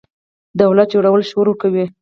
دولت جوړولو شعور ورکوي.